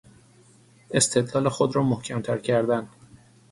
استدلال خود را محکمتر کردن